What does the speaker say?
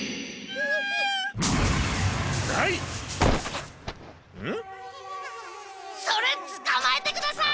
それつかまえてください！